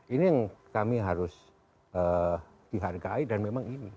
ini yang kami harus dihargai dan memang ini